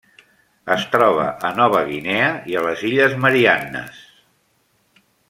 Es troba a Nova Guinea i a les Illes Mariannes.